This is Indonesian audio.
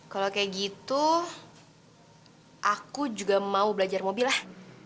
kalau kayak gitu aku juga mau belajar mobil lah